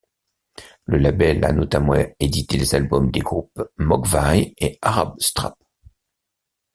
La label a notamment édité les albums des groupes Mogwai et Arab Strap.